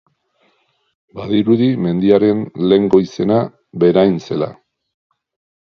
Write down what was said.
Badirudi mendiaren lehengo izena Berain zela.